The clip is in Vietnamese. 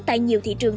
tại nhiều thị trường